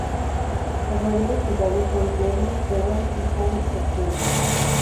Las mayores ciudades son Clermont-Ferrand y Saint-Étienne.